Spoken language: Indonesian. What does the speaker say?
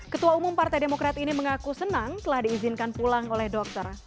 ketua umum partai demokrat ini mengaku senang telah diizinkan pulang oleh dokter